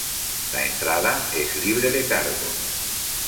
La entrada es libre de cargos.